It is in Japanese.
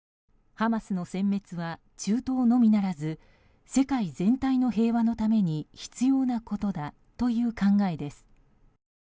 ハマスの殲滅は中東のみならず世界全体の平和のために必要なことだという考えです。